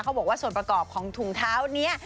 บอกว่าส่วนประกอบของถุงเท้านี้